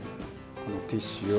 このティッシュを。